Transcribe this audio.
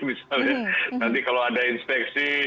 misalnya nanti kalau ada inspeksi